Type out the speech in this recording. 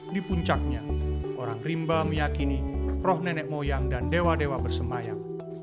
di puncaknya orang rimba meyakini roh nenek moyang dan dewa dewa bersemayam